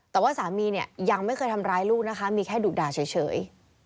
แต่ว่าสามีเนี่ยยังไม่เคยทำร้ายลูกนะคะมีแค่ดุด่าเฉย